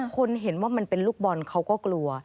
คนเห็นว่ามันเป็นลูกบอลเขาก็กลัว